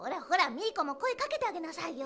ミーコもこえかけてあげなさいよ。